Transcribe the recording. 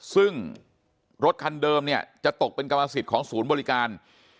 ซึ่งรถคันเดิมเนี่ยจะตกเป็นกรรมสิทธิ์ของศูนย์บริการ